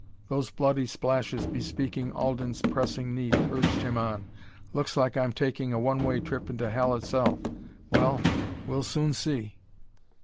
Those bloody splashes bespeaking Alden's pressing need urged him on. "Looks like I'm taking a one way trip into Hell itself. Well, we'll soon see."